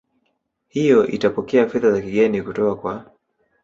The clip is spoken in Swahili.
hiyo itapokea fedha za kigeni kutoka kwa